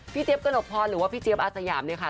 เจี๊ยบกระหนกพรหรือว่าพี่เจี๊ยบอาสยามเนี่ยค่ะ